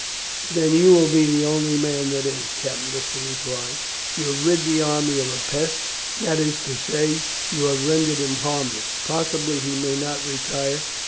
"Then you will be the only man that is," Captain Lister replied. "You have rid the army of a pest; that is to say, you have rendered him harmless. Possibly he may not retire.